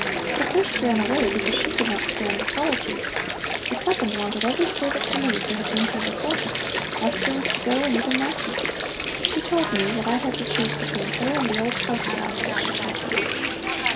The first ran away because she could not stand the solitude. The second wanted every servant to leave who had been here before her; Esther was to go, and even Matthew. She told me that I had to choose between her and the 'old house rats,' as she called them.